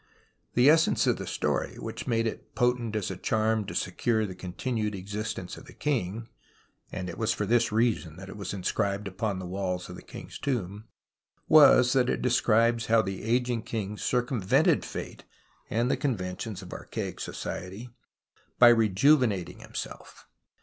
The essence of the story, which made it potent as a charm to secure the continued existence of the king (and it was for this reason that it was inscribed upon the walls of the king's tomb) was that it describes how the ageing king circumvented fate (and the con ventions of archaic society) by rejuvenating himself.